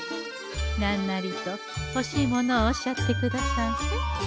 なんなりと欲しいものをおっしゃってくださんせ。